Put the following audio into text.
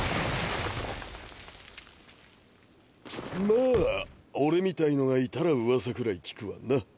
まあ俺みたいのがいたらうわさくらい聞くわな。